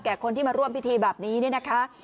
แก่คนที่มาร่วมพิธีแบบนี้น่ะ